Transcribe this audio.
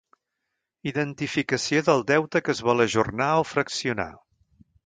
Identificació del deute que es vol ajornar o fraccionar.